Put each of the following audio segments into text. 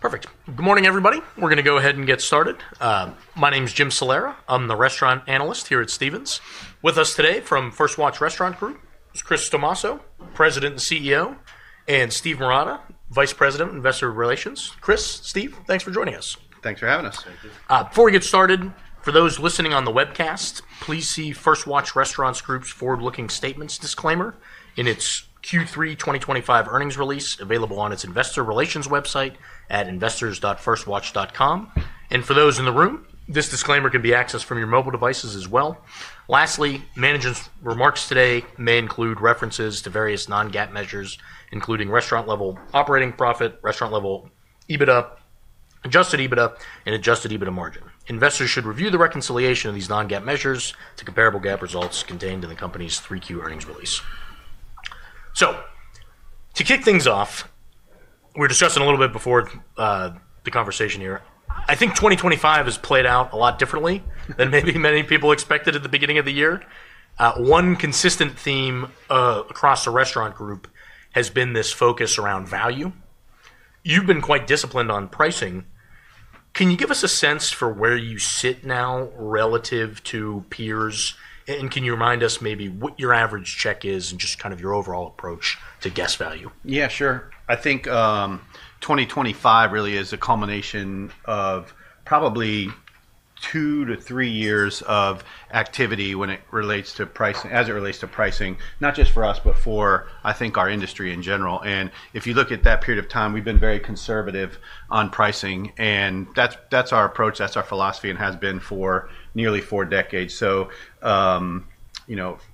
Perfect. Good morning, everybody. We're going to go ahead and get started. My name is Jim Solera. I'm the restaurant analyst here at Stephens. With us today from First Watch Restaurant Group is Chris Tomasso, President and CEO, and Steve Marotta, Vice President, Investor Relations. Chris, Steve, thanks for joining us. Thanks for having us. Before we get started, for those listening on the webcast, please see First Watch Restaurant Group's forward-looking statements disclaimer in its Q3 2025 earnings release, available on its Investor Relations website, at investors.firstwatch.com. For those in the room, this disclaimer can be accessed from your mobile devices as well. Lastly, management's remarks today may include references to various non-GAAP measures, including restaurant-level operating profit, restaurant-level EBITDA, adjusted EBITDA, and adjusted EBITDA margin. Investors, should review the reconciliation of these non-GAAP measures, to comparable GAAP results, contained in the company's Q3 earnings release. To kick things off, we were discussing a little bit before the conversation here. I think 2025 has played out a lot differently than maybe many people expected at the beginning of the year. One consistent theme across the restaurant group has been this focus around value. You've been quite disciplined on pricing. Can you give us a sense for where you sit now relative to peers? Can you remind us maybe what your average check is and just kind of your overall approach to guest value? Yeah, sure. I think 2025 really is a culmination of probably two to three years of activity when it relates to pricing, as it relates to pricing, not just for us, but for, I think, our industry in general. If you look at that period of time, we've been very conservative on pricing. That's our approach, that's our philosophy, and has been for nearly four decades.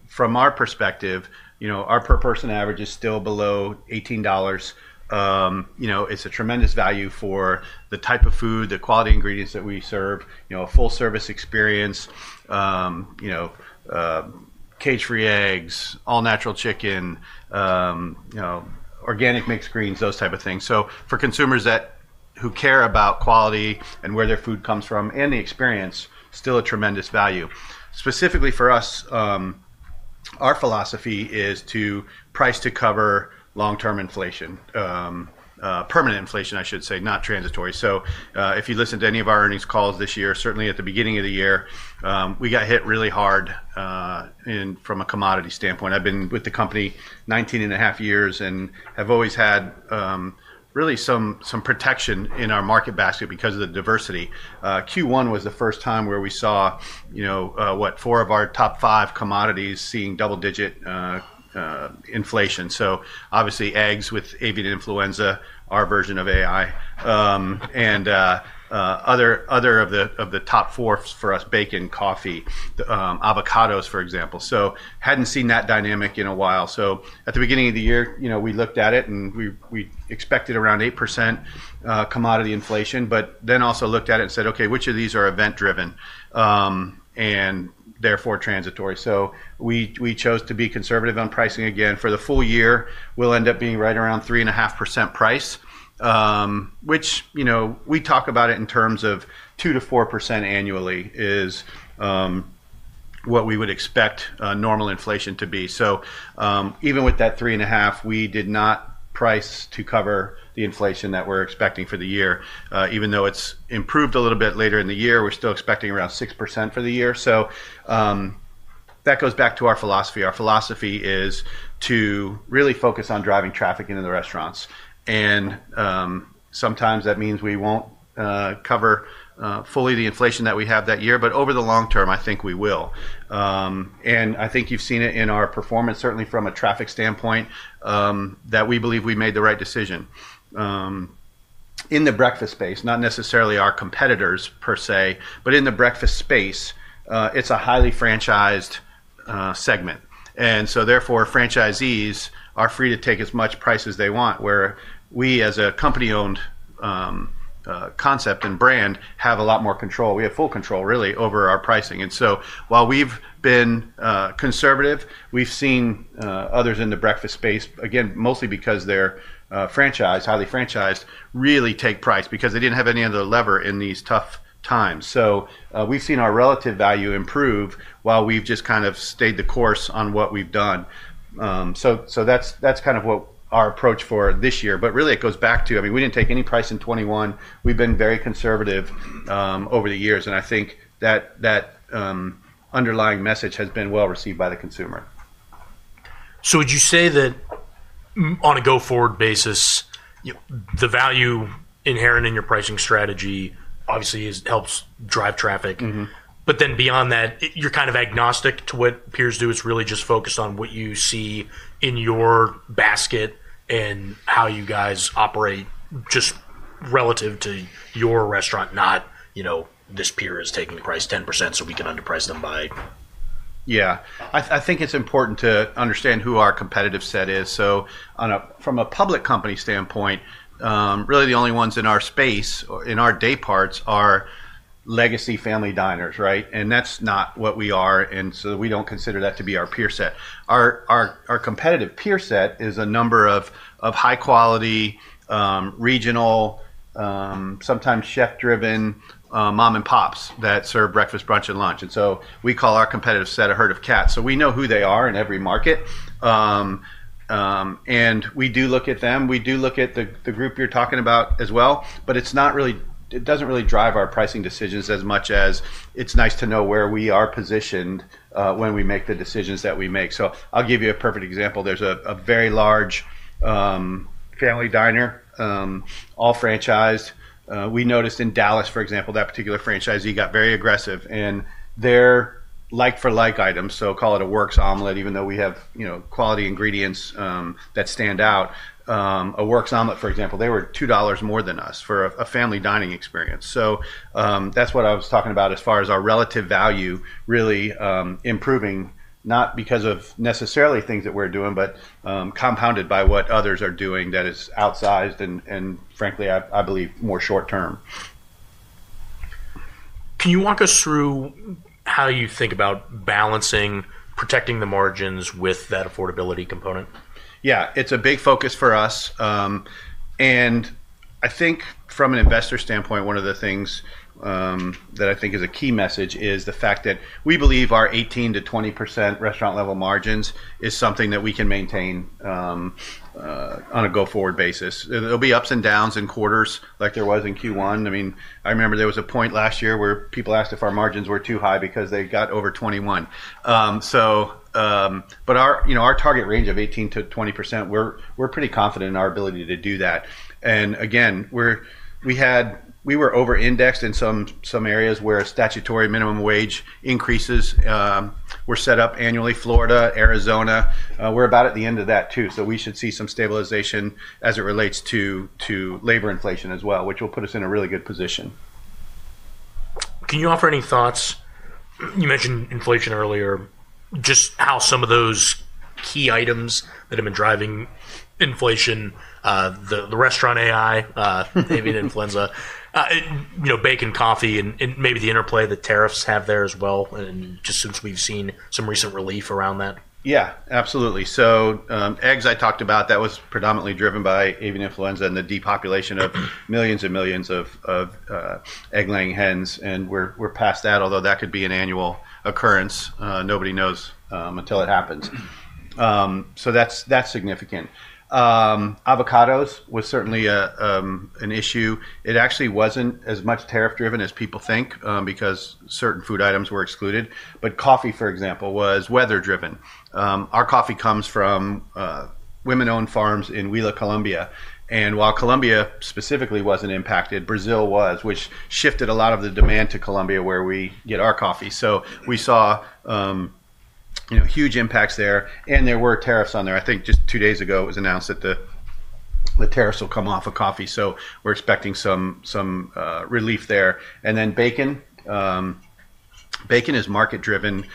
From our perspective, our per-person average, is still below $18. It's a tremendous value for the type of food, the quality ingredients that we serve, a full-service experience, cage-free eggs, all-natural chicken, organic mixed greens, those type of things. For consumers, who care about quality and where their food comes from and the experience, still a tremendous value. Specifically for us, our philosophy, is to price to cover long-term inflation, permanent inflation, I should say, not transitory. If you listen to any of our earnings calls this year, certainly at the beginning of the year, we got hit really hard from a commodity standpoint. I've been with the company, 19 and a half years and have always had really some protection in our market basket, because of the diversity. Q1, was the first time where we saw, what, four of our top five commodities, seeing double-digit inflation. Obviously, eggs with avian influenza, our version of AI, and other of the top four for us, bacon, coffee, avocados, for example. Hadn't seen that dynamic in a while. At the beginning of the year, we looked at it and we expected around 8%, commodity inflation, but then also looked at it and said, okay, which of these are event-driven and therefore transitory? We chose to be conservative on pricing again. For the full year, we'll end up being right around 3.5% price, which we talk about it in terms of 2%-4% annually, is what we would expect normal inflation to be. Even with that 3.5%, we did not price to cover the inflation that we're expecting for the year. Even though it's improved a little bit later in the year, we're still expecting around 6%, for the year. That goes back to our philosophy. Our philosophy, is to really focus on driving traffic into the restaurants. Sometimes that means we won't cover fully the inflation that we have that year, but over the long term, I think we will. I think you've seen it in our performance, certainly from a traffic standpoint, that we believe we made the right decision. In the breakfast space, not necessarily our competitors per se, but in the breakfast space, it's a highly franchised segment. Therefore, franchisees, are free to take as much price as they want, where we as a company-owned concept and brand, have a lot more control. We have full control, really, over our pricing. While we've been conservative, we've seen others in the breakfast space, again, mostly because they're franchised, highly franchised, really take price, because they did not have any other lever in these tough times. We've seen our relative value, improve while we've just kind of stayed the course on what we've done. That's kind of what our approach for this year is. Really, it goes back to, I mean, we did not take any price in 2021. We've been very conservative over the years. I think that underlying message has been well received by the consumer. Would you say that on a go-forward basis, the value inherent in your pricing strategy, obviously helps drive traffic? But then beyond that, you're kind of agnostic to what peers do. It's really just focused on what you see in your basket, and how you guys operate just relative to your restaurant, not this peer is taking the price 10%, so we can underprice them by. Yeah. I think it's important to understand who our competitive set is. From a public company standpoint, really the only ones in our space, in our day parts, are legacy family diners, right? That's not what we are. We don't consider that to be our peer set. Our competitive peer set, is a number of high-quality, regional, sometimes chef-driven mom-and-pops that serve breakfast, brunch, and lunch. We call our competitive set, a herd of cats. We know who they are in every market. We do look at them. We do look at the group you're talking about as well. It doesn't really drive our pricing decisions as much as it's nice to know where we are positioned when we make the decisions that we make. I'll give you a perfect example. There's a very large family diner, all franchised. We noticed in Dallas, for example, that particular franchisee got very aggressive. Their like-for-like items, so call it a works omelet, even though we have quality ingredients that stand out, a works omelet, for example, they were $2 more, than us for a family dining experience. That is what I was talking about as far as our relative value, really improving, not because of necessarily things that we are doing, but compounded by what others are doing that is outsized and, frankly, I believe, more short-term. Can you walk us through how you think about balancing, protecting the margins with that affordability component? Yeah, it's a big focus for us. I think from an investor standpoint, one of the things that I think is a key message, is the fact that we believe our 18%-20% restaurant-level margins, is something that we can maintain on a go-forward basis. There'll be ups and downs and quarters, like there was in Q1. I mean, I remember there was a point last year where people asked if our margins were too high, because they got over 21%. Our target range of 18%-20%, we're pretty confident in our ability to do that. Again, we were over-indexed, in some areas where statutory minimum wage increases, were set up annually. Florida, Arizona, we're about at the end of that too. We should see some stabilization as it relates to labor inflation as well, which will put us in a really good position. Can you offer any thoughts? You mentioned inflation earlier, just how some of those key items that have been driving inflation, the restaurant A.I., avian influenza, bacon, coffee, and maybe the interplay that tariffs have there as well, and just since we've seen some recent relief around that. Yeah, absolutely. Eggs I talked about, that was predominantly driven by avian influenza, and the depopulation of millions and millions of egg-laying hens. We're past that, although that could be an annual occurrence. Nobody knows until it happens. That's significant. Avocados, was certainly an issue. It actually wasn't as much tariff-driven as people think because certain food items were excluded. Coffee, for example, was weather-driven. Our coffee, comes from women-owned farms in Huila, Colombia. While Colombia, specifically wasn't impacted, Brazil was, which shifted a lot of the demand to Colombia, where we get our coffee. We saw huge impacts there. There were tariffs on there. I think just two days ago, it was announced that the tariffs will come off of coffee. We're expecting some relief there. Bacon, is market-driven. It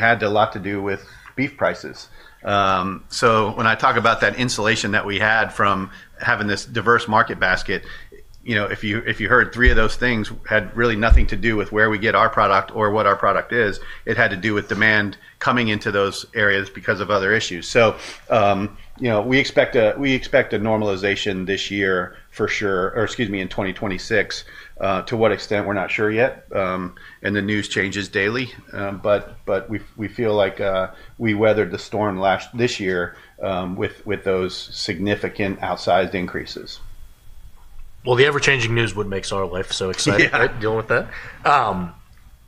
had a lot to do with beef prices. When I talk about that insulation that we had from having this diverse market basket, if you heard three of those things had really nothing to do with where we get our product or what our product is, it had to do with demand coming into those areas, because of other issues. We expect a normalization this year for sure, or excuse me, in 2026. To what extent, we're not sure yet. The news changes daily. We feel like we weathered the storm this year with those significant outsized increases. The ever-changing news would make our life so exciting. Dealing with that.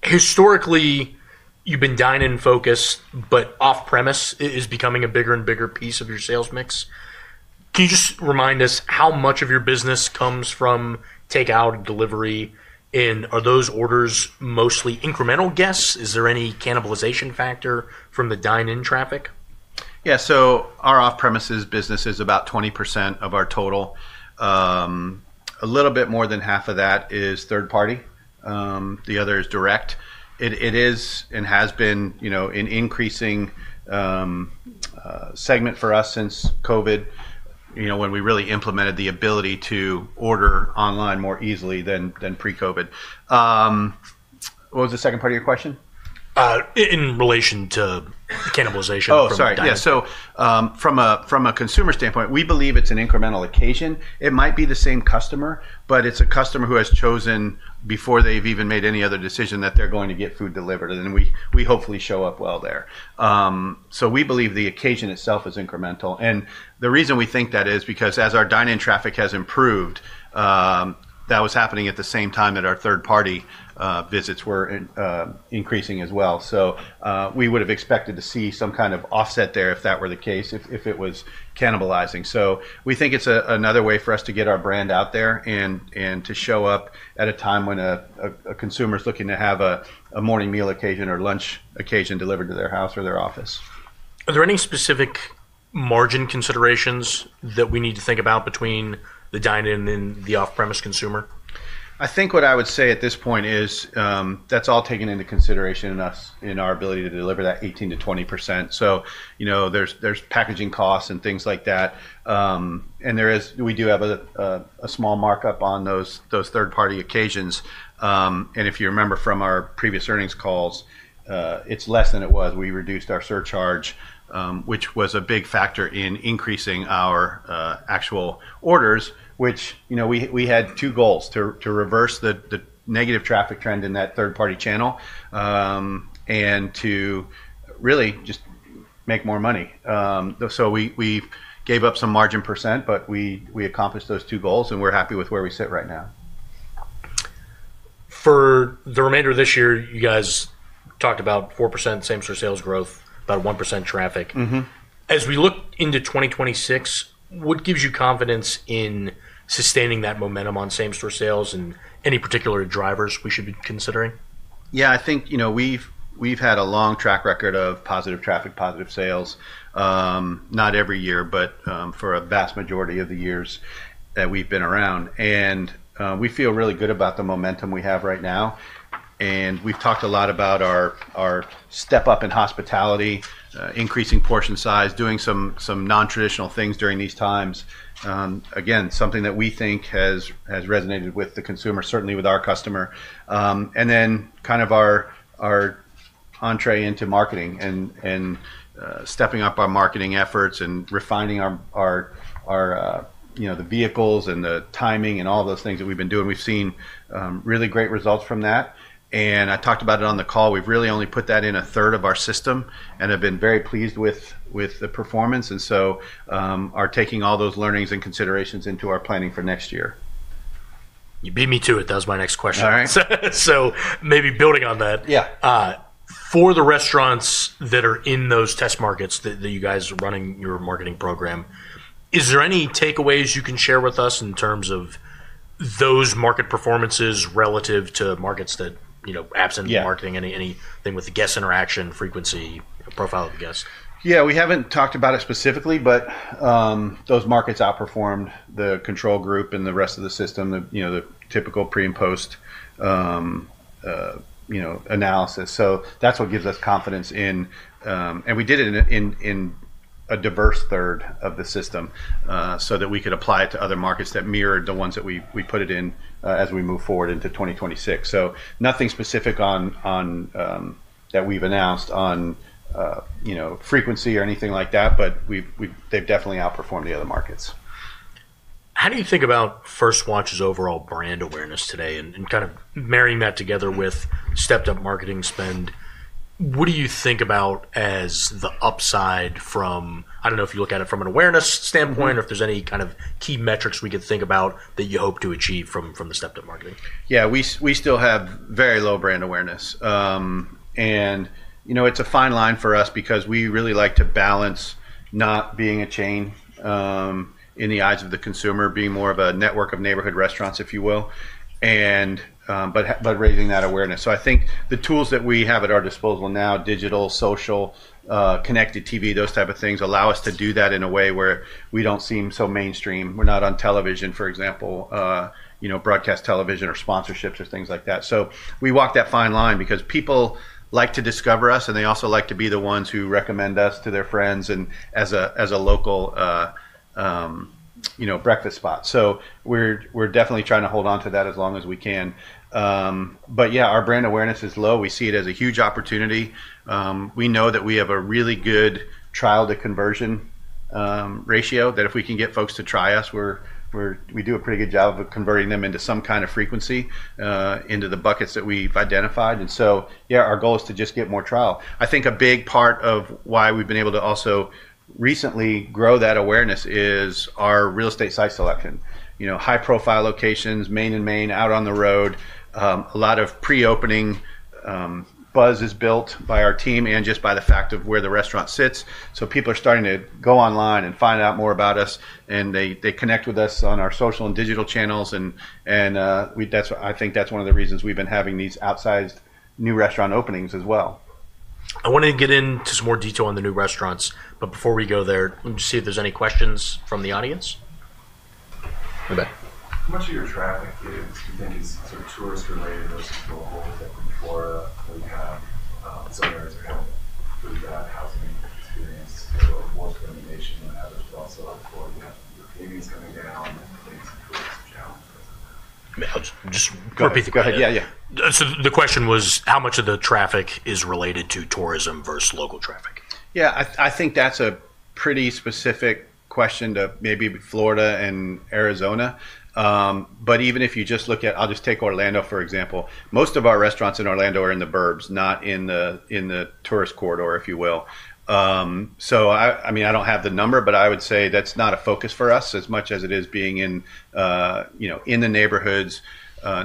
Historically, you've been dine-in focused, but off-premise is becoming a bigger and bigger piece of your sales mix. Can you just remind us how much of your business comes from takeout delivery? Are those orders mostly incremental guests? Is there any cannibalization factor, from the dine-in traffic? Yeah. Our off-premises business is about 20%, of our total. A little bit more than half, of that is third-party. The other is direct. It is and has been an increasing segment for us, since COVID, when we really implemented the ability to order online more easily than pre-COVID. What was the second part of your question? In relation to cannibalization from dine-in. Oh, sorry. Yeah. From a consumer standpoint, we believe it's an incremental occasion. It might be the same customer, but it's a customer who has chosen before they've even made any other decision that they're going to get food delivered. We hopefully show up well there. We believe the occasion itself is incremental. The reason we think that is because as our dine-in traffic has improved, that was happening at the same time that our third-party visits, were increasing as well. We would have expected to see some kind of offset there if that were the case, if it was cannibalizing. We think it's another way for us to get our brand out there, and to show up at a time when a consumer is looking to have a morning meal occasion or lunch occasion delivered to their house or their office. Are there any specific margin considerations, that we need to think about between the dine-in and the off-premise consumer? I think what I would say at this point is that's all taken into consideration in our ability to deliver that 18%-20%. There are packaging costs, and things like that. We do have a small markup, on those third-party occasions. If you remember from our previous earnings calls, it's less than it was. We reduced our surcharge, which was a big factor in increasing our actual orders, which we had two goals: to reverse the negative traffic trend in that third-party channel, and to really just make more money. We gave up some margin percent, but we accomplished those two goals, and we're happy with where we sit right now. For the remainder of this year, you guys talked about 4%, same-store sales growth, about 1% traffic. As we look into 2026, what gives you confidence in sustaining that momentum on same-store sales and any particular drivers we should be considering? Yeah, I think we've had a long track record of positive traffic, positive sales, not every year, but for a vast majority of the years that we've been around. We feel really good about the momentum we have right now. We've talked a lot about our step-up in hospitality, increasing portion size, doing some non-traditional things during these times. Again, something that we think has resonated with the consumer, certainly with our customer. Then kind of our entree into marketing and stepping up our marketing efforts and refining the vehicles and the timing and all those things that we've been doing. We've seen really great results from that. I talked about it on the call. We've really only put that in a third of our system and have been very pleased with the performance. We are taking all those learnings and considerations into our planning for next year. You beat me to it. That was my next question. All right. Maybe building on that, for the restaurants that are in those test markets, that you guys are running your marketing program, is there any takeaways, you can share with us in terms of those market performances relative to markets that absent marketing, anything with the guest interaction frequency, profile of the guests? Yeah, we haven't talked about it specifically, but those markets outperformed the control group and the rest of the system, the typical pre and post analysis. That is what gives us confidence in. We did it in a diverse third of the system, so that we could apply it to other markets that mirrored the ones that we put it in as we move forward into 2026. Nothing specific that we've announced on frequency or anything like that, but they've definitely outperformed the other markets. How do you think about First Watch's, overall brand awareness today? Kind of marrying that together with stepped-up marketing spend, what do you think about as the upside from, I don't know if you look at it from an awareness standpoint, or if there's any kind of key metrics we could think about that you hope to achieve from the stepped-up marketing? Yeah, we still have very low brand awareness. And it's a fine line for us because we really like to balance not being a chain, in the eyes of the consumer, being more of a network of neighborhood restaurants, if you will, but raising that awareness. I think the tools that we have at our disposal now, digital, social, connected TV, those types of things allow us to do that in a way where we don't seem so mainstream. We're not on television, for example, broadcast television or sponsorships or things like that. We walk that fine line because people like to discover us, and they also like to be the ones who recommend us to their friends and as a local breakfast spot. We're definitely trying to hold on to that as long as we can. But yeah, our brand awareness is low. We see it as a huge opportunity. We know that we have a really good trial-to-conversion ratio, that if we can get folks to try us, we do a pretty good job of converting them into some kind of frequency into the buckets that we've identified. Yeah, our goal is to just get more trial. I think a big part of why we've been able to also recently grow that awareness is our real estate site selection. High-profile locations, main and main, out on the road, a lot of pre-opening buzz is built by our team and just by the fact of where the restaurant sits. People are starting to go online and find out more about us, and they connect with us on our social and digital channels. I think that's one of the reasons we've been having these outsized new restaurant openings as well. I want to get into some more detail on the new restaurants. Before we go there, let me just see if there's any questions from the audience. How much of your traffic do you think is sort of tourist-related versus local? Like in Florida, where you have some areas that are having a really bad housing experience or worse than the nation? And others are also in Florida, you have Europeans, coming down and creating some tourism challenges? Just repeat the question. Yeah, the question was, how much of the traffic is related to tourism versus local traffic? Yeah, I think that's a pretty specific question to maybe Florida and Arizona. Even if you just look at, I'll just take Orlando, for example. Most of our restaurants in Orlando, are in the burbs, not in the tourist corridor, if you will. I mean, I don't have the number, but I would say that's not a focus for us as much as it is being in the neighborhoods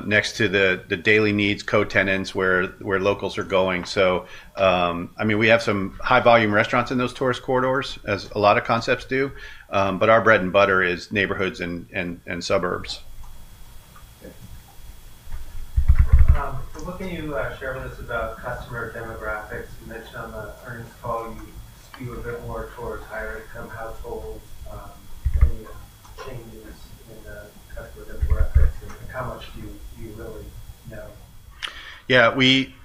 next to the daily needs co-tenants, where locals are going. I mean, we have some high-volume restaurants, in those tourist corridors, as a lot of concepts do. Our bread and butter, is neighborhoods and suburbs. What can you share with us about customer demographics? You mentioned on the earnings call, you skew a bit more towards higher-income households. Any changes in the customer demographics? How much do you really know? Yeah, we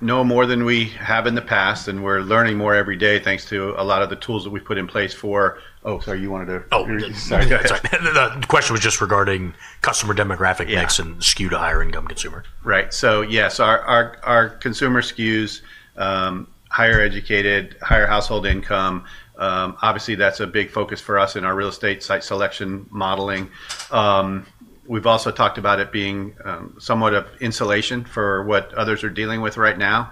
know more than we have in the past, and we're learning more every day thanks to a lot of the tools that we've put in place for. Oh, sorry, you wanted to. Oh, sorry. The question was just regarding customer demographic mix and skew to higher-income consumer. Right. Yes, our consumer skews higher educated, higher household income. Obviously, that's a big focus for us in our real estate site selection modeling. We've also talked about it being somewhat of insulation for what others are dealing with right now.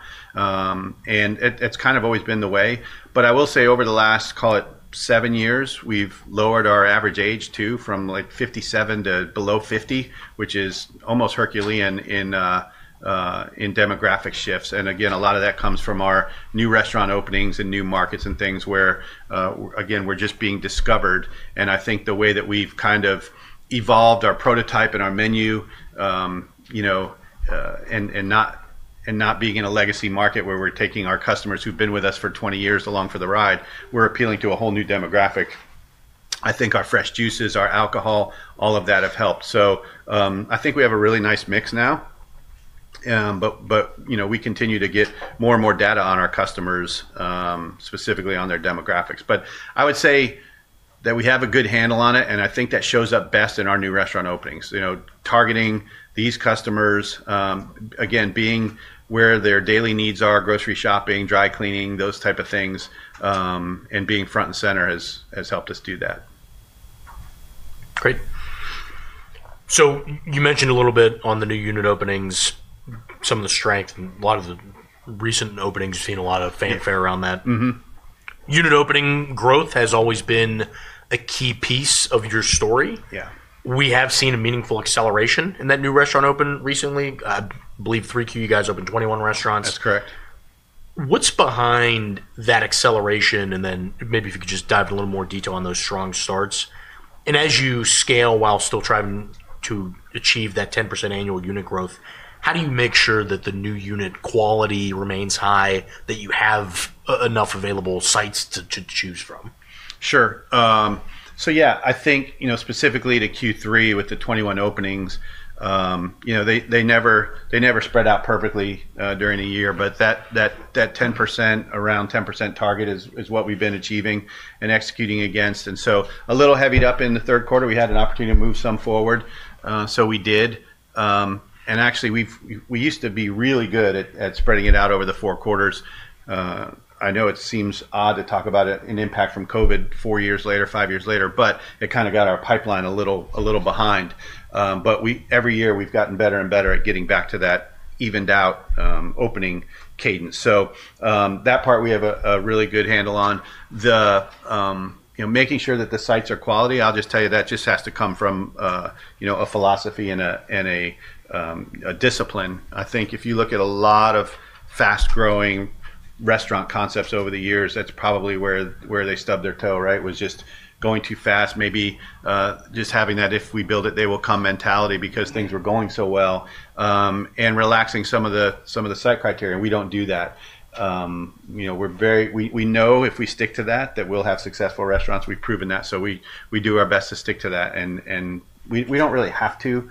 It's kind of always been the way. I will say over the last, call it, seven years, we've lowered our average age too from like 57 to below 50, which is almost Herculean, in demographic shifts. Again, a lot of that comes from our new restaurant openings and new markets and things where, again, we're just being discovered. I think the way that we've kind of evolved our prototype and our menu, and not being in a legacy market, where we're taking our customers who've been with us for 20 years along for the ride, we're appealing to a whole new demographic. I think our fresh juices, our alcohol, all of that have helped. I think we have a really nice mix now. We continue to get more and more data on our customers, specifically on their demographics. I would say that we have a good handle on it, and I think that shows up best in our new restaurant openings. Targeting these customers, again, being where their daily needs are, grocery shopping, dry cleaning, those types of things, and being front and center has helped us do that. Great. You mentioned a little bit on the new unit openings, some of the strength, and a lot of the recent openings, you've seen a lot of fanfare around that. Unit opening growth, has always been a key piece of your story. We have seen a meaningful acceleration in that new restaurant open recently. I believe 3Q, you guys opened 21 restaurants. That's correct. What's behind that acceleration? If you could just dive in a little more detail on those strong starts. As you scale while still trying to achieve that 10% annual unit growth, how do you make sure that the new unit quality remains high, that you have enough available sites to choose from? Sure. Yeah, I think specifically to Q3, with the 21 openings, they never spread out perfectly during the year. That 10%, around 10% target, is what we've been achieving and executing against. A little heavy up in the third quarter, we had an opportunity to move some forward, so we did. Actually, we used to be really good at spreading it out over the four quarters. I know it seems odd to talk about an impact from COVID four years later, five years later, but it kind of got our pipeline a little behind. Every year, we've gotten better and better at getting back to that evened-out opening cadence. That part we have a really good handle on. Making sure that the sites are quality, I'll just tell you that just has to come from a philosophy and a discipline. I think if you look at a lot of fast-growing restaurant concepts over the years, that's probably where they stubbed their toe, right? Was just going too fast, maybe just having that if we build it, they will come mentality because things were going so well and relaxing some of the site criteria. We do not do that. We know if we stick to that, that we will have successful restaurants. We have proven that. I mean, we do our best to stick to that. We do not really have to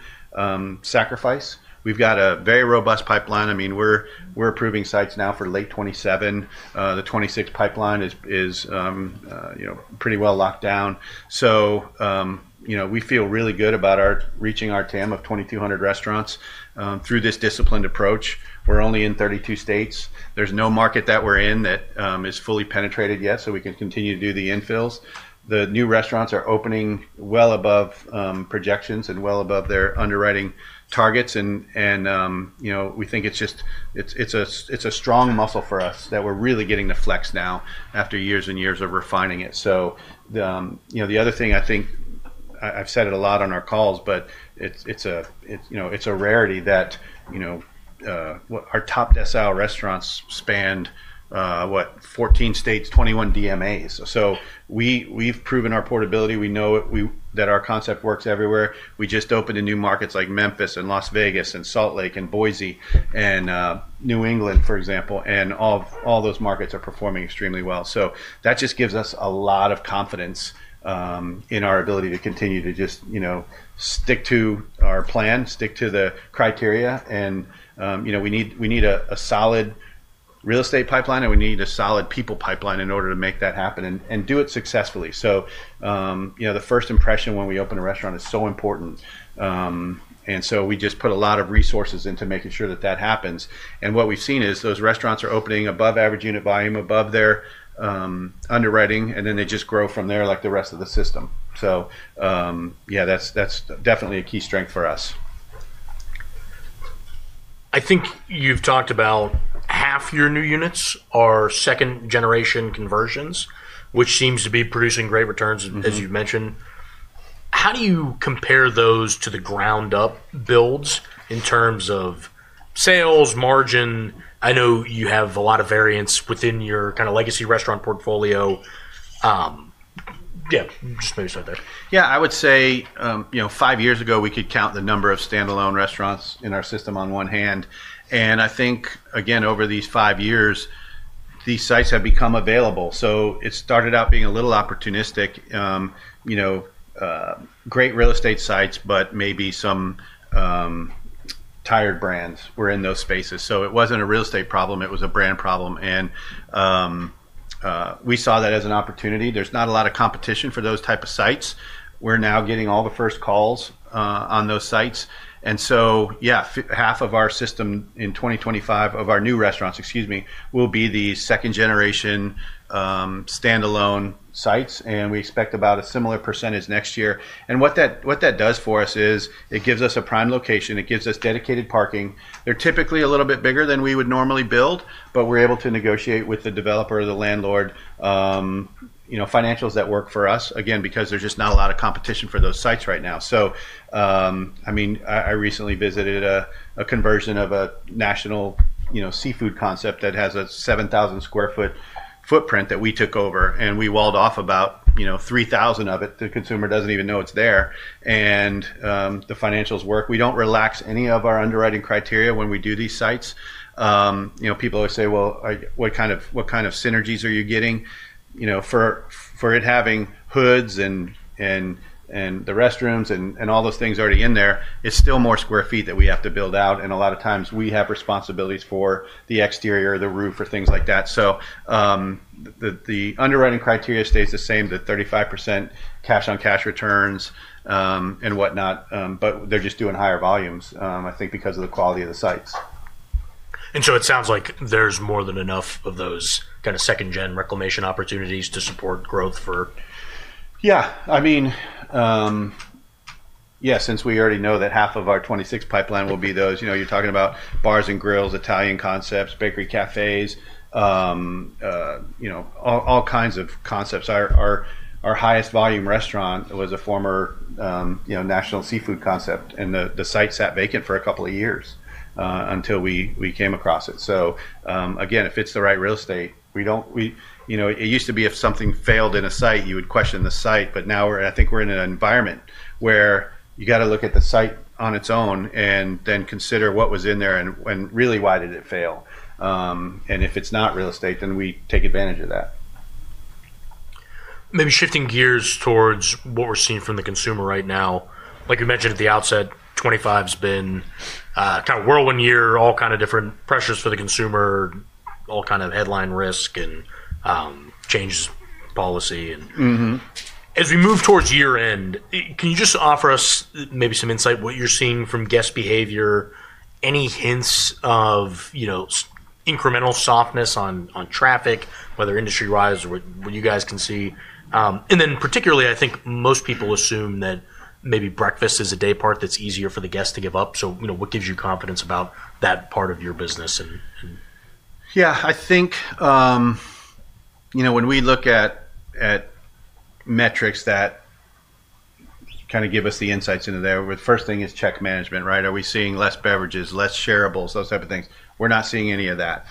sacrifice. We have got a very robust pipeline. I mean, we are approving sites now for late 2027. The 2026 pipeline, is pretty well locked down. We feel really good about reaching our TAM of 2,200 restaurants, through this disciplined approach. We are only in 32 states. There's no market that we're in that is fully penetrated yet, so we can continue to do the infills. The new restaurants are opening well above projections and well above their underwriting targets. We think it's just a strong muscle for us that we're really getting to flex now after years and years of refining it. The other thing, I think I've said it a lot on our calls, but it's a rarity that our top SL restaurants spanned, what, 14 states, 21 DMAs. We've proven our portability. We know that our concept works everywhere. We just opened in new markets like Memphis and Las Vegas and Salt Lake City and Boise and New England, for example. All those markets are performing extremely well. That just gives us a lot of confidence in our ability to continue to just stick to our plan, stick to the criteria. We need a solid real estate pipeline, and we need a solid people pipeline, in order to make that happen and do it successfully. The first impression when we open a restaurant is so important. We just put a lot of resources into making sure that that happens. What we've seen is those restaurants are opening above average unit volume, above their underwriting, and then they just grow from there like the rest of the system. Yeah, that's definitely a key strength for us. I think you've talked about half your new units are second-generation conversions, which seems to be producing great returns, as you've mentioned. How do you compare those to the ground-up builds in terms of sales, margin? I know you have a lot of variance within your kind of legacy restaurant portfolio. Yeah, just maybe start there. Yeah, I would say five years ago, we could count the number of standalone restaurants in our system on one hand. I think, again, over these five years, these sites have become available. It started out being a little opportunistic, great real estate sites, but maybe some tired brands were in those spaces. It was not a real estate problem. It was a brand problem. We saw that as an opportunity. There is not a lot of competition for those types of sites. We are now getting all the first calls on those sites. Yeah, half of our system in 2025, of our new restaurants, excuse me, will be the second-generation standalone sites. We expect about a similar percentage next year. What that does for us is it gives us a prime location. It gives us dedicated parking. They're typically a little bit bigger than we would normally build, but we're able to negotiate with the developer or the landlord financials that work for us, again, because there's just not a lot of competition for those sites right now. I mean, I recently visited a conversion of a national seafood concept, that has a 7,000 sq ft, footprint that we took over. We walled off about 3,000 of it. The consumer doesn't even know it's there. The financials work. We don't relax any of our underwriting criteria when we do these sites. People always say, "Well, what kind of synergies, are you getting?" For it having hoods and the restrooms and all those things already in there, it's still more square feet, that we have to build out. A lot of times, we have responsibilities for the exterior, the roof, or things like that. The underwriting criteria stays the same, the 35% cash-on-cash returns,, and whatnot. They are just doing higher volumes, I think, because of the quality of the sites. It sounds like there's more than enough of those kind of second-gen reclamation opportunities to support growth for. Yeah. I mean, yeah, since we already know that half of our 2026 pipeline will be those. You're talking about bars and grills, Italian concepts, bakery cafes, all kinds of concepts. Our highest volume restaurant, was a former national seafood concept, and the site sat vacant, for a couple of years until we came across it. If it's the right real estate, it used to be if something failed in a site, you would question the site. Now, I think we're in an environment, where you got to look at the site on its own and then consider what was in there and really why did it fail. If it's not real estate, then we take advantage of that. Maybe shifting gears towards what we're seeing from the consumer right now. Like you mentioned at the outset, 2025, has been kind of whirlwind year, all kinds of different pressures for the consumer, all kinds of headline risk, and changes in policy. As we move towards year-end, can you just offer us maybe some insight, what you're seeing from guest behavior? Any hints of incremental softness on traffic, whether industry-wise, or what you guys can see? And then particularly, I think most people assume that maybe breakfast, is a day part that's easier for the guests to give up. What gives you confidence about that part of your business? Yeah, I think when we look at metrics that kind of give us the insights into there, the first thing is check management, right? Are we seeing less beverages, less shareables, those type of things? We're not seeing any of that.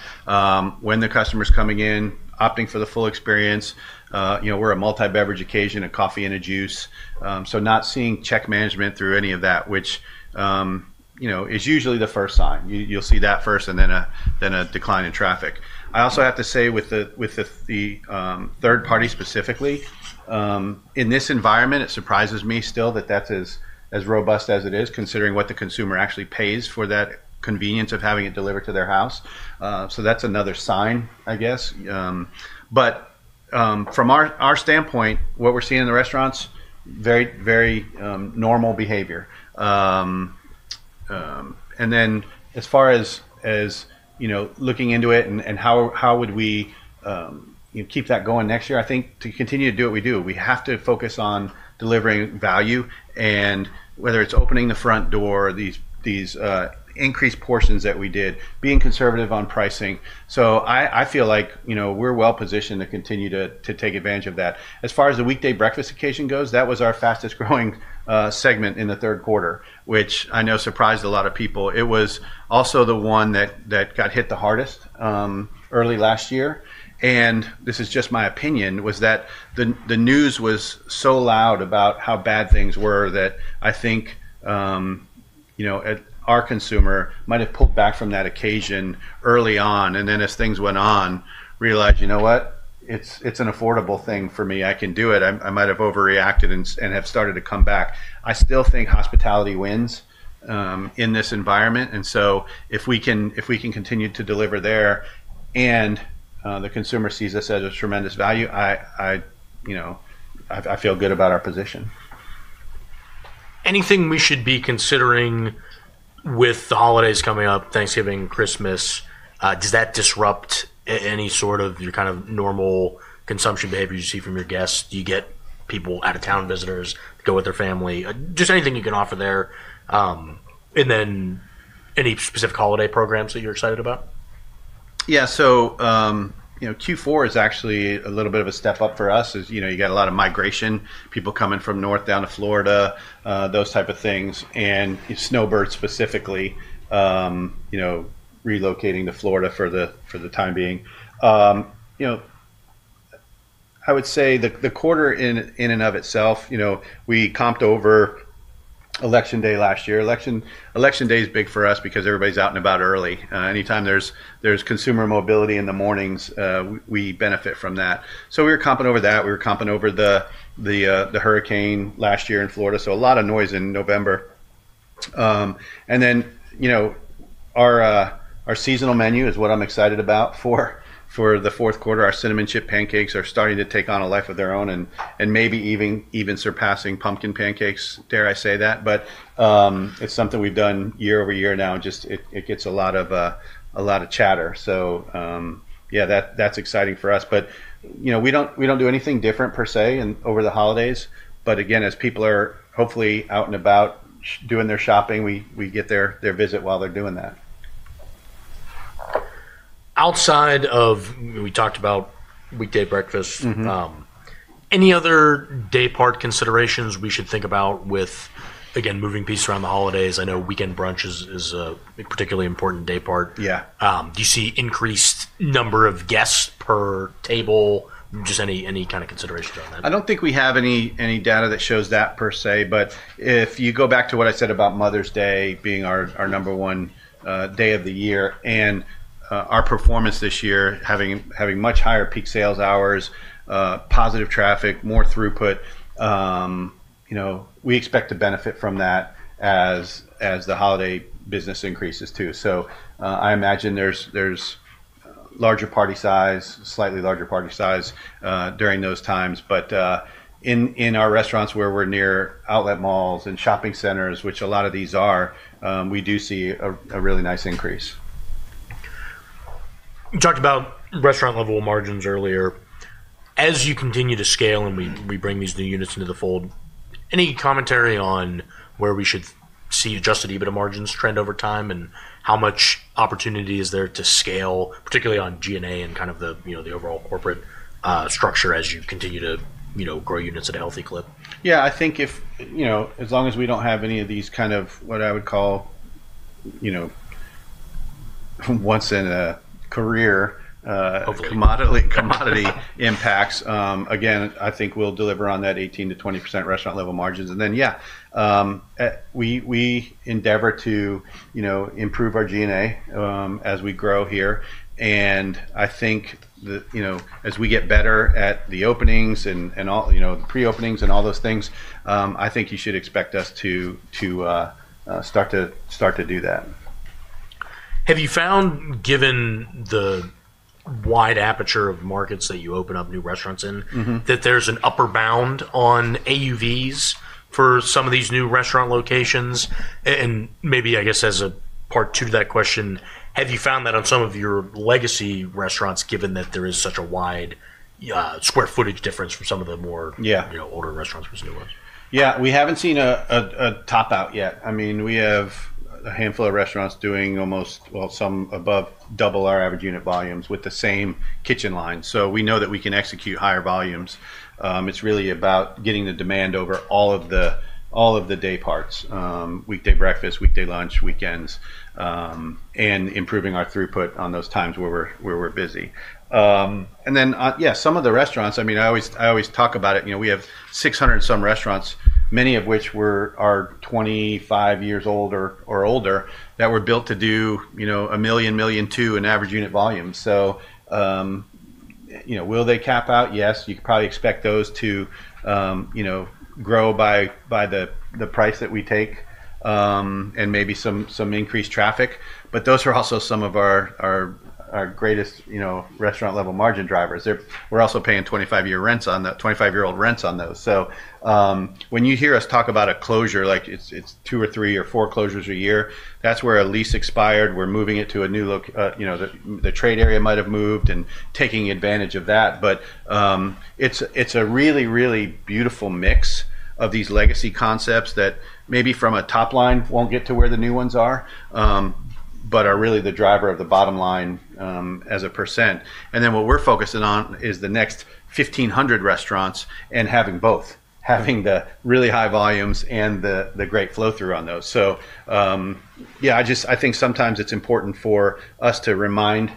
When the customer's coming in, opting for the full experience, we're a multi-beverage occasion, a coffee and a juice. Not seeing check management through any of that, which is usually the first sign. You'll see that first and then a decline in traffic. I also have to say with the third party specifically, in this environment, it surprises me still that that's as robust as it is, considering what the consumer actually pays for that convenience of having it delivered to their house. That's another sign, I guess. From our standpoint, what we're seeing in the restaurants, very, very normal behavior. As far as looking into it and how we would keep that going next year, I think to continue to do what we do, we have to focus on delivering value. Whether it is opening the front door or these increased portions that we did, being conservative on pricing, I feel like we are well positioned to continue to take advantage of that. As far as the weekday breakfast occasion goes, that was our fastest-growing segment, in the third quarter, which I know surprised a lot of people. It was also the one that got hit the hardest early last year. This is just my opinion, the news was so loud about how bad things were that I think our consumer might have pulled back from that occasion early on. As things went on, realized, you know what? It's an affordable thing for me. I can do it. I might have overreacted and have started to come back. I still think hospitality wins in this environment. If we can continue to deliver there and the consumer sees us as a tremendous value, I feel good about our position. Anything we should be considering with the holidays coming up, Thanksgiving, Christmas? Does that disrupt any sort of your kind of normal consumption behavior you see from your guests? Do you get people out of town visitors to go with their family? Just anything you can offer there. Any specific holiday programs that you're excited about? Yeah. Q4, is actually a little bit of a step up for us. You got a lot of migration, people coming from north down to Florida, those type of things. Snowbird, specifically relocating to Florida, for the time being. I would say the quarter in and of itself, we comped over election day last year. Election day, is big for us because everybody's out and about early. Anytime there's consumer mobility in the mornings, we benefit from that. We were comping over that. We were comping over the hurricane last year in Florida. A lot of noise in November. Our seasonal menu, is what I'm excited about for the fourth quarter. Our cinnamon chip pancakes, are starting to take on a life of their own and maybe even surpassing pumpkin pancakes, dare I say that. It's something we've done year over year now. Just it gets a lot of chatter. Yeah, that's exciting for us. We don't do anything different per se over the holidays. Again, as people are hopefully out and about doing their shopping, we get their visit while they're doing that. Outside of, we talked about weekday breakfast. Any other day part considerations we should think about with, again, moving pieces around the holidays? I know weekend brunch is a particularly important day part. Do you see increased number of guests per table? Just any kind of considerations on that? I don't think we have any data that shows that per se. If you go back to what I said about Mother's Day, being our number one day of the year and our performance this year, having much higher peak sales hours, positive traffic, more throughput, we expect to benefit from that as the holiday business increases too. I imagine there's larger party size, slightly larger party size during those times. In our restaurants where we're near outlet malls and shopping centers, which a lot of these are, we do see a really nice increase. You talked about restaurant-level margins earlier. As you continue to scale and we bring these new units, into the fold, any commentary on where we should see adjusted EBITDA margins, trend over time and how much opportunity is there to scale, particularly on G&A, and kind of the overall corporate structure as you continue to grow units at a healthy clip? Yeah. I think as long as we don't have any of these kind of what I would call once-in-a-career commodity impacts, again, I think we'll deliver on that 18%-20% restaurant-level margins. Yeah, we endeavor to improve our G&A, as we grow here. I think as we get better at the openings and the pre-openings and all those things, I think you should expect us to start to do that. Have you found, given the wide aperture of markets that you open up new restaurants in, that there's an upper bound on AUVs, for some of these new restaurant locations? Maybe, I guess, as a part two to that question, have you found that on some of your legacy restaurants, given that there is such a wide square footage difference from some of the more older restaurants versus new ones? Yeah. We haven't seen a top-out yet. I mean, we have a handful of restaurants doing almost, well, some above double our average unit volumes, with the same kitchen line. So, we know that we can execute higher volumes. It's really about getting the demand over all of the day parts: weekday breakfast, weekday lunch, weekends, and improving our throughput on those times where we're busy. And then, yeah, some of the restaurants, I mean, I always talk about it. We have 600-some restaurants, many of which are 25 years old or older, that were built to do a million, million, two in average unit volume. So, will they cap out? Yes. You could probably expect those to grow by the price that we take and maybe some increased traffic. But those are also some of our greatest restaurant-level margin drivers. We're also paying 25-year rents on those. When you hear us talk about a closure, like it's two or three or four closures a year, that's where a lease expired. We're moving it to a new location. The trade area might have moved and taking advantage of that. It's a really, really beautiful mix of these legacy concepts, that maybe from a top line won't get to where the new ones are, but are really the driver of the bottom line as a percent. What we're focusing on is the next 1,500 restaurants, and having both, having the really high volumes and the great flow-through on those. I think sometimes it's important for us to remind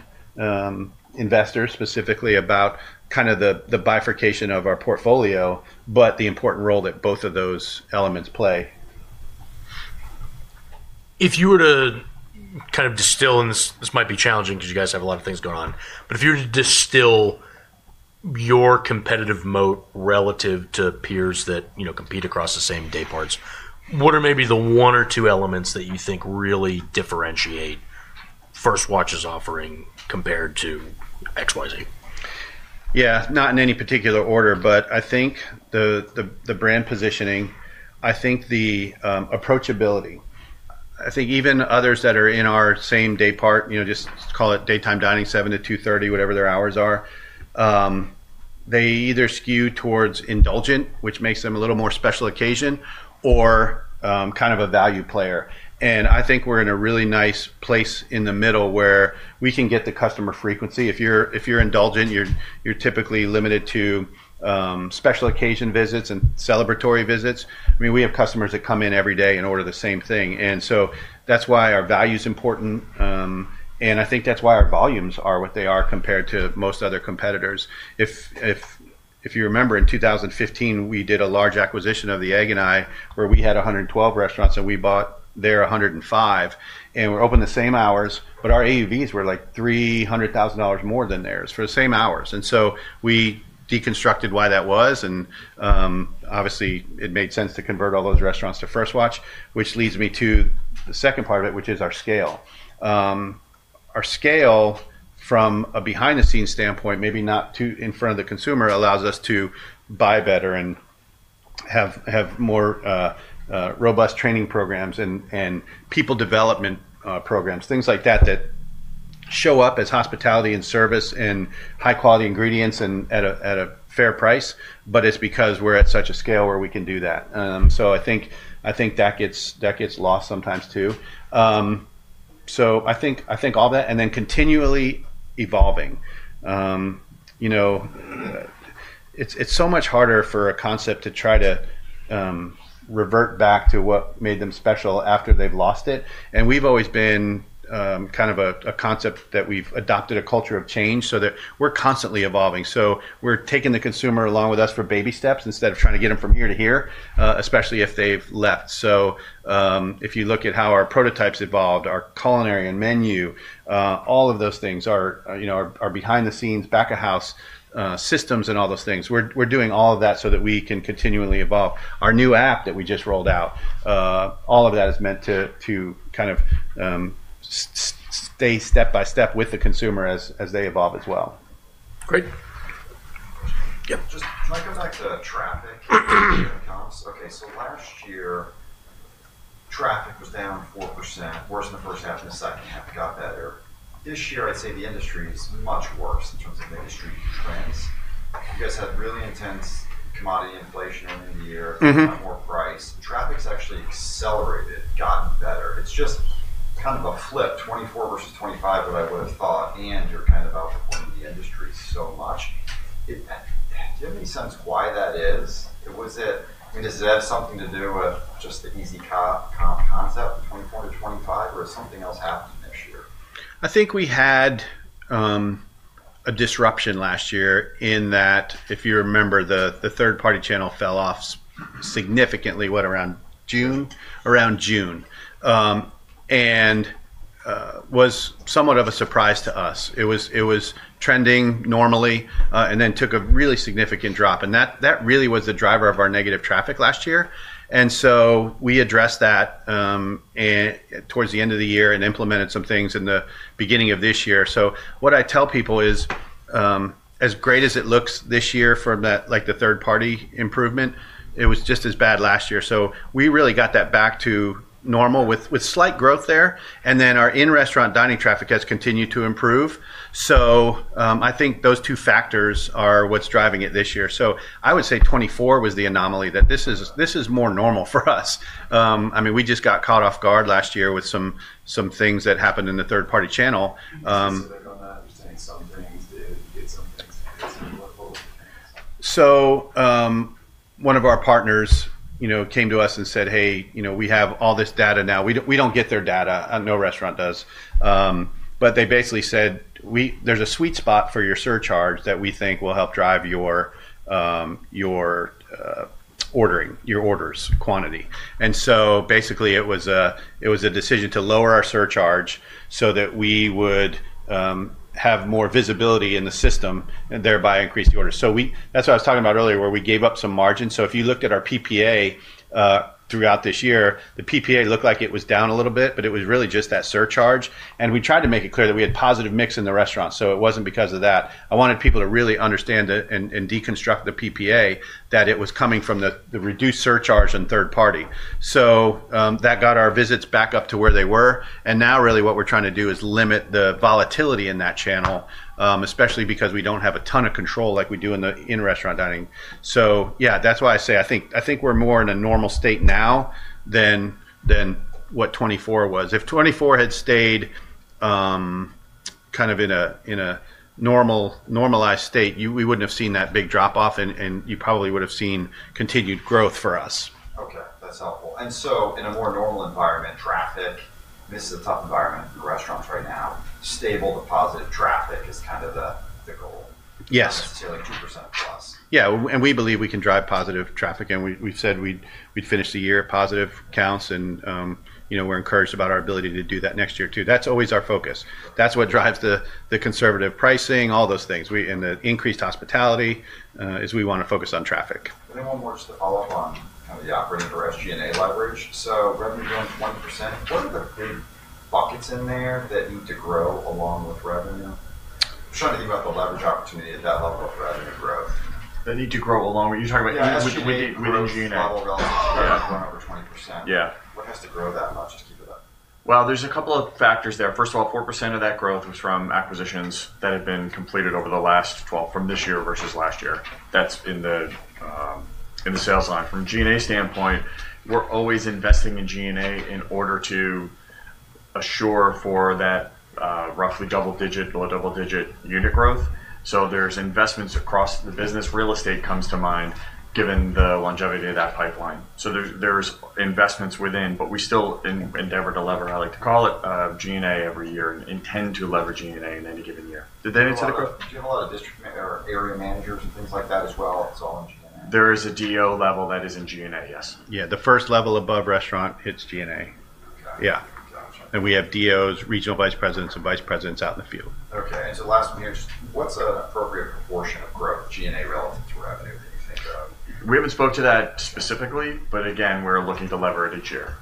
investors, specifically about kind of the bifurcation of our portfolio, but the important role that both of those elements play. If you were to kind of distill, and this might be challenging because you guys have a lot of things going on, but if you were to distill your competitive moat, relative to peers that compete across the same day parts, what are maybe the one or two elements, that you think really differentiate First Watch's offering compared to XYZ? Yeah. Not in any particular order, but I think the brand positioning, I think the approachability. I think even others that are in our same day part, just call it daytime dining, 7:00 to 2:30, whatever their hours are, they either skew towards indulgent, which makes them a little more special occasion, or kind of a value player. I think we're in a really nice place in the middle where we can get the customer frequency. If you're indulgent, you're typically limited to special occasion visits and celebratory visits. I mean, we have customers that come in every day and order the same thing. That's why our value is important. I think that's why our volumes are what they are compared to most other competitors. If you remember, in 2015, we did a large acquisition of The Egg, and I, where we had 112 restaurants, and we bought their 105. We opened the same hours, but our AUVs, were like $300,000, more than theirs for the same hours. We deconstructed why that was. Obviously, it made sense to convert all those restaurants to First Watch, which leads me to the second part of it, which is our scale. Our scale, from a behind-the-scenes standpoint, maybe not too in front of the consumer, allows us to buy better and have more robust training programs and people development programs, things like that, that show up as hospitality and service and high-quality ingredients, and at a fair price, but it's because we're at such a scale where we can do that. I think that gets lost sometimes too. I think all that and then continually evolving. It's so much harder for a concept to try to revert back to what made them special after they've lost it. We've always been kind of a concept that we've adopted a culture of change. We're constantly evolving. We're taking the consumer along with us for baby steps instead of trying to get them from here to here, especially if they've left. If you look at how our prototypes evolved, our culinary and menu, all of those things are behind the scenes, back of house systems and all those things. We're doing all of that so that we can continually evolve. Our new app, that we just rolled out, all of that is meant to kind of stay step by step with the consumer as they evolve as well. Great. Yeah. Just can I come back to traffic and comps? Okay. Last year, traffic was down 4%, worse in the first half and the second half, got better. This year, I'd say the industry is much worse in terms of industry trends. You guys had really intense commodity inflation earlier in the year, a lot more price. Traffic's actually accelerated, gotten better. It's just kind of a flip, 2024 versus 2025, what I would have thought, and you're kind of outperforming the industry so much. Do you have any sense why that is? I mean, does it have something to do with just the easy comp concept in 2024 to 2025, or is something else happening this year? I think we had a disruption last year in that, if you remember, the third-party channel fell off significantly, what, around June? Around June. It was somewhat of a surprise to us. It was trending normally and then took a really significant drop. That really was the driver of our negative traffic last year. We addressed that towards the end of the year and implemented some things in the beginning of this year. What I tell people is, as great as it looks this year from the third-party improvement, it was just as bad last year. We really got that back to normal with slight growth there. Our in-restaurant dining traffic, has continued to improve. I think those two factors, are what's driving it this year. I would say 2024, was the anomaly, that this is more normal for us. I mean, we just got caught off guard last year with some things that happened in the third-party channel. Can you speak on that? You're saying some things did, some things didn't. One of our partners came to us and said, "Hey, we have all this data now." We do not get their data. No restaurant does. They basically said, "There is a sweet spot for your surcharge that we think will help drive your orders, quantity." It was a decision to lower our surcharge so that we would have more visibility in the system, and thereby increase the orders. That is what I was talking about earlier, where we gave up some margin. If you looked at our PPA, throughout this year, the PPA, looked like it was down a little bit, but it was really just that surcharge. We tried to make it clear that we had positive mix in the restaurants. It was not because of that. I wanted people to really understand and deconstruct the PPA, that it was coming from the reduced surcharge and third-party. That got our visits back up to where they were. Now, really, what we're trying to do is limit the volatility in that channel, especially because we don't have a ton of control like we do in the in-restaurant dining. Yeah, that's why I say I think we're more in a normal state now than what 2024 was. If 2024, had stayed kind of in a normalized state, we wouldn't have seen that big drop-off, and you probably would have seen continued growth for us. Okay. That's helpful. In a more normal environment, traffic, and this is a tough environment for restaurants right now, stable to positive traffic is kind of the goal. Yes. Let's say like 2% plus. Yeah. We believe we can drive positive traffic. We have said we would finish the year at positive counts. We are encouraged about our ability to do that next year too. That is always our focus. That is what drives the conservative pricing, all those things. The increased hospitality is we want to focus on traffic. I have one more just to follow up on kind of the operating or SG&A leverage. Revenue, growing 20%. What are the big buckets in there that need to grow along with revenue? I'm just trying to think about the leverage opportunity at that level of revenue growth. That need to grow along with revenue? Yeah. Within G&A. Yeah. G&A is probably going over 20%. Yeah. What has to grow that much to keep it up? There is a couple of factors there. First of all, 4%, of that growth was from acquisitions, that had been completed over the last 12, from this year versus last year. That is in the sales line. From a G&A standpoint, we are always investing in G&A, in order to assure for that roughly double-digit or double-digit unit growth. There are investments across the business. Real estate, comes to mind given the longevity of that pipeline. There are investments within, but we still endeavor to leverage, I like to call it, G&A, every year and intend to leverage G&A, in any given year. Did that answer the question? Do you have a lot of district or area managers and things like that as well? It's all in G&A? There is a DO level, that is in G&A, yes. Yeah. The first level above restaurant hits G&A. Yeah. And we have DOs, regional vice presidents, and vice presidents out in the field. Okay. And so last one here, just what's an appropriate proportion of growth, G&A, relative to revenue that you think of? We haven't spoke to that specifically, but again, we're looking to leverage each year.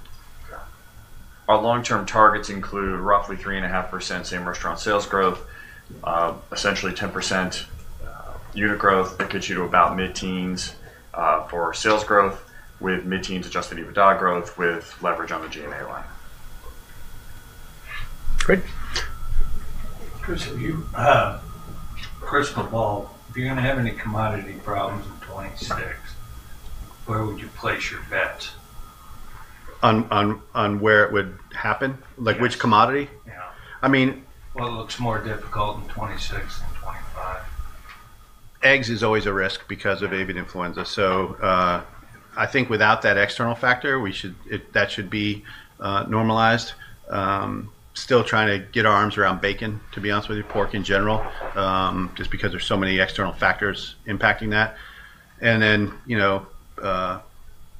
Okay. Our long-term targets include roughly 3.5%, same restaurant sales growth, essentially 10%, unit growth. That gets you to about mid-teens for sales growth, with mid-teens adjusted EBITDA growth, with leverage on the G&A line. Great. Chris, for Paul, if you're going to have any commodity problems in 2026, where would you place your bets? On where it would happen? Like which commodity? Yeah. I mean. What looks more difficult in '26 than '25? Eggs, is always a risk because of avian influenza. I think without that external factor, that should be normalized. Still trying to get our arms around bacon, to be honest with you, pork in general, just because there's so many external factors impacting that.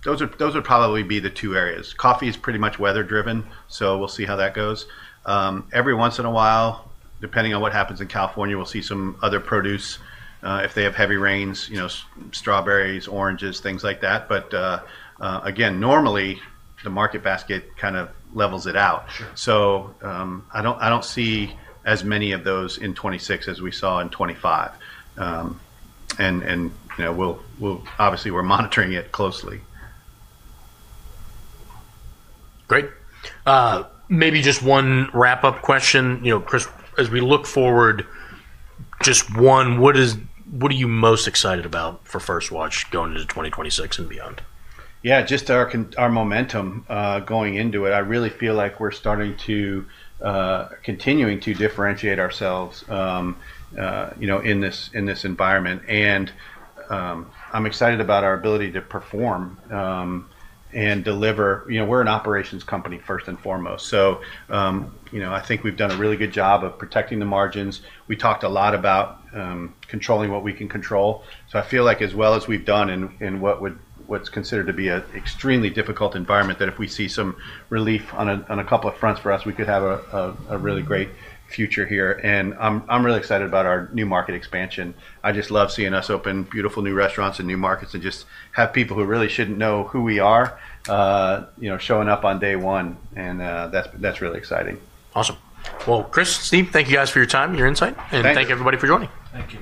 Those would probably be the two areas. Coffee, is pretty much weather-driven, so we'll see how that goes. Every once in a while, depending on what happens in California, we'll see some other produce if they have heavy rains, strawberries, oranges, things like that. Normally, the market basket kind of levels it out. I don't see as many of those in 2026, as we saw in 2025. Obviously, we're monitoring it closely. Great. Maybe just one wrap-up question, Chris. As we look forward, just one, what are you most excited about for First Watch, going into 2026 and beyond? Yeah. Just our momentum going into it. I really feel like we're starting to continue to differentiate ourselves in this environment. I'm excited about our ability to perform and deliver. We're an operations company, first and foremost. I think we've done a really good job of protecting the margins. We talked a lot about controlling what we can control. I feel like as well as we've done in what's considered to be an extremely difficult environment, that if we see some relief on a couple of fronts for us, we could have a really great future here. I'm really excited about our new market expansion. I just love seeing us open beautiful new restaurants in new markets and just have people who really shouldn't know who we are showing up on day one. That's really exciting. Awesome. Chris, Steve, thank you guys for your time and your insight. Thank you, everybody, for joining. Thank you.